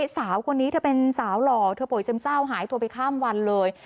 สาวคนนี้เธอเป็นสาวหล่อเธอป่วยซึมเศร้าหายตัวไปข้ามวันเลย